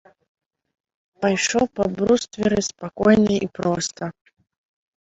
Пайшоў па брустверы спакойна і проста.